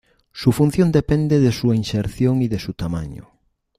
Su función depende de su inserción y de su tamaño.